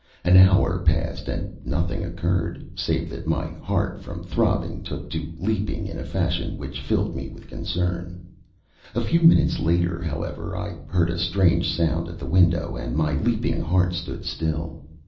An hour passed and nothing occurred, save that my heart from throbbing took to leaping in a fashion which filled me with concern. A few minutes later, however, I heard a strange sound at the window, and my leaping heart stood still.